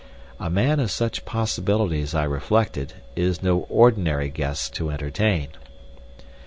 A man of such possibilities, I reflected, is no ordinary guest to entertain.